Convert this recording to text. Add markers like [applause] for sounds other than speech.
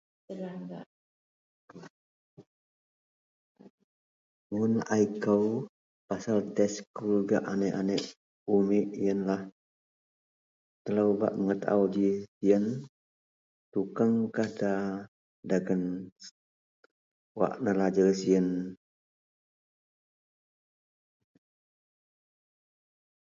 [noise] mun laie kou pasel test skul gak aneak-aneak umit ienlah telou bak mengataau ji ien tukang ka da dagen wak nelajer sien..